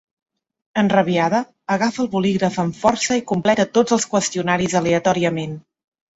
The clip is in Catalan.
Enrabiada, agafa el bolígraf amb força i completa tots els qüestionaris aleatòriament.